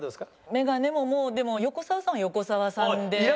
メガネももうでも横澤さんは横澤さんで。